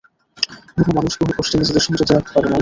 কিছু মানুষ বহু কষ্টে নিজেদের সংযত রাখতে পারে, ম্যাম।